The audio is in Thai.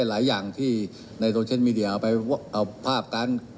หลายอย่างที่ในโซเชียลมีเดียเอาไปเอาภาพกัน